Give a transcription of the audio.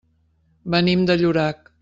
Venim de Llorac.